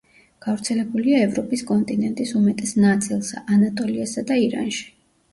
გავრცელებულია ევროპის კონტინენტის უმეტეს ნაწილსა, ანატოლიასა და ირანში.